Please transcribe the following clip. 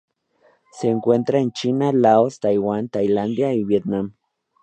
Se encuentra en China, Laos, Taiwán, Tailandia, y Vietnam.